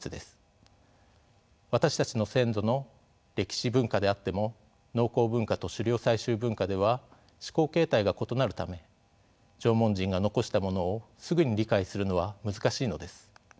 私たちの先祖の歴史文化であっても農耕文化と狩猟採集文化では思考形態が異なるため縄文人が残したものをすぐに理解するのは難しいのです。